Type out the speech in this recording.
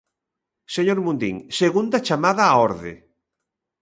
Señor Mundín, segunda chamada á orde.